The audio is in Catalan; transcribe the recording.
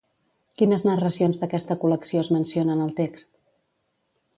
Quines narracions d'aquesta col·lecció es mencionen al text?